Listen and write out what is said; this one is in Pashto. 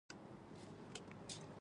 وسله د جنايت وسیله ده